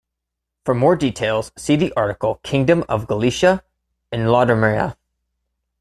For more details, see the article Kingdom of Galicia and Lodomeria.